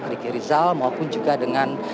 riki rizal maupun juga dengan